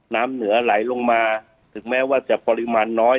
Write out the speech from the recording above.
น้ำเหนือไหลลงมาถึงแม้ว่าจะปริมาณน้อย